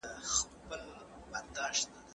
امریکا د بورې د ډېرو خوړونکو هېوادونو په سر کې ده.